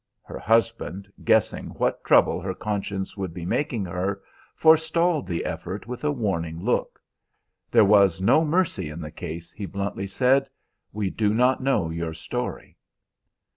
Her husband, guessing what trouble her conscience would be making her, forestalled the effort with a warning look. "There was no mercy in the case," he bluntly said; "we do not know your story."